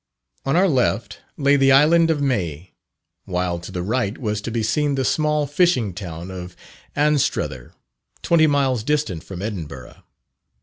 On our left, lay the Island of May, while to the right was to be seen the small fishing town of Anstruther, twenty miles distant from Edinburgh.